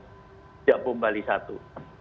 tidak bombali satu